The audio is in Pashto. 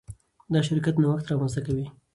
دا شرکت نوښت رامنځته کوي.